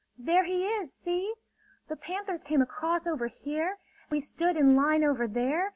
"There he is, see? The panthers came across over here; we stood in line over there.